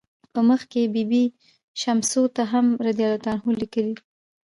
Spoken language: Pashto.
په مخ کې بي بي شمسو ته هم "رضی الله عنه" لیکي.